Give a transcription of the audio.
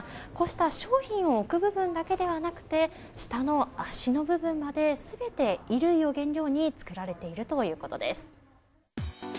こうした商品を置く部分だけではなく下の脚の部分まで全て衣類を原料に作られているということです。